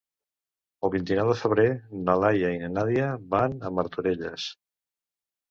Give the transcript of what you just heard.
El vint-i-nou de febrer na Laia i na Nàdia van a Martorelles.